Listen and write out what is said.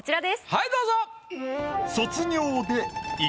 はいどうぞ。